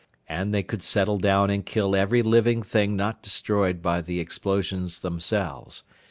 And they could settle down and kill every living thing not destroyed by the explosions themselves.